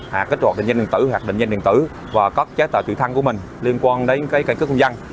hoặc kết hoạt định danh điện tử hoặc định danh điện tử và có chế tạo trụ thăng của mình liên quan đến cái căn cứ công dân